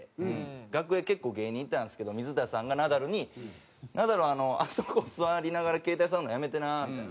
楽屋結構芸人いたんですけど水田さんがナダルに「ナダルあそこ座りながら携帯触るのやめてな」みたいな。